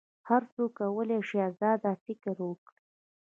هر څوک کولی شي آزاد فکر وکړي.